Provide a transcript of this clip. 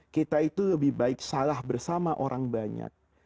kita itu lebih baik salah bersama orang banyak